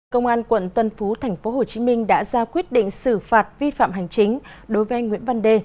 công an quận tân phú tp hcm đã ra quyết định xử phạt vi phạm hành chính đối với anh nguyễn văn đê